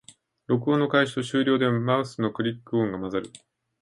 録音の開始と終了でマウスのクリック音が混ざる